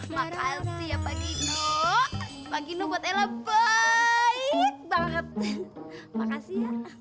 makasih ya pak gino pak gino buat ella baik banget makasih ya